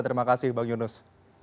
terima kasih bang yunus